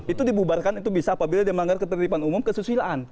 itu dibubarkan itu bisa apabila dia melanggar ketertiban umum kesusilaan